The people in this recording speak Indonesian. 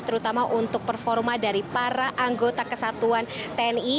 terutama untuk performa dari para anggota kesatuan tni